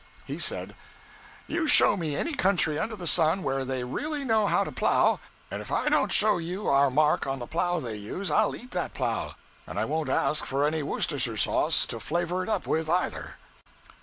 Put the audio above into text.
He said 'You show me any country under the sun where they really know how to plow, and if I don't show you our mark on the plow they use, I'll eat that plow; and I won't ask for any Woostershyre sauce to flavor it up with, either.'